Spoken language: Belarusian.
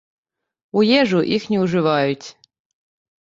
У ежу іх не ўжываюць.